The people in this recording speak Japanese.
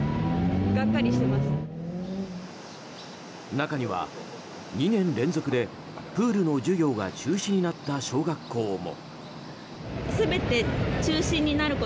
中には２年連続でプールの授業が中止になった小学校も。